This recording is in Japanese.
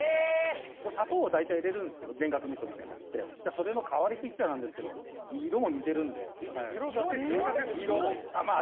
砂糖を大体入れるんですけど田楽味噌みたいなやつってそれの代わりといっちゃなんですけど色だけですか？